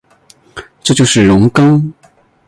这就是容庚。